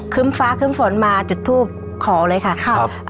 คึ้มฟ้าคึ้มฝนมาจุดทูบขอเลยค่ะ